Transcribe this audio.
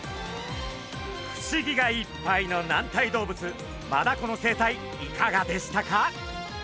不思議がいっぱいの軟体動物マダコの生態いかがでしたか？